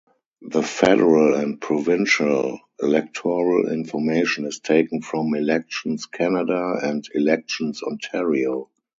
The federal and provincial electoral information is taken from Elections Canada and Elections Ontario.